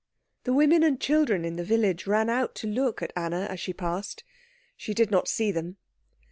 The women and children in the village ran out to look at Anna as she passed. She did not see them.